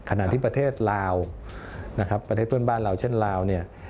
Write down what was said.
ขนาดที่ประเทศลาวประเทศเพื่อนบ้านเราเช่นลาว